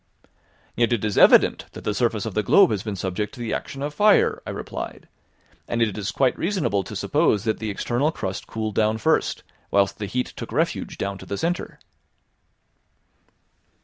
"Yet it is evident that the surface of the globe has been subject to the action of fire," I replied, "and it is quite reasonable to suppose that the external crust cooled down first, whilst the heat took refuge down to the centre."